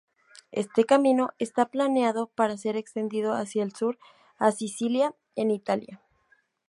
Este camino está planeado para ser extendido hacia el sur a Sicilia, en Italia.